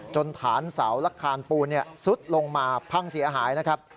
ฐานเสาและคานปูนซุดลงมาพังเสียหายนะครับ